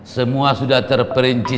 semua sudah terperinci